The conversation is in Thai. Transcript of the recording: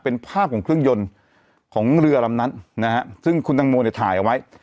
เป็นภาพของเครื่องยนต์ของเรือลำนั้นนะฮะซึ่งคุณตังโมเนี่ยถ่ายเอาไว้